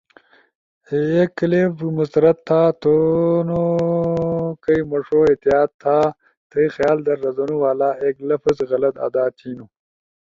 یک کلپ مسترد تھونو کئی مݜو احتیاط تھا تھئی خیال در رزونو والا ایک لفظ غلط آدا تھینو،